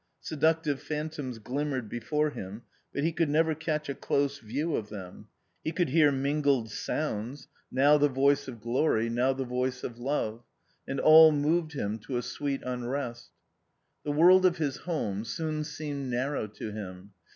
Seductive phantoms glimmered before him, but he could never catch a close view of them; he could hear mingled sounds — now the io A COMMON STORY voice of glory, nojL the voice of love — and all moved him to a sweet unrest. J The world of his home soon seemed narrow to him.